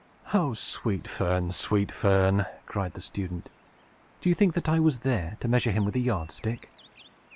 "O Sweet Fern, Sweet Fern!" cried the student. "Do you think that I was there, to measure him with a yard stick?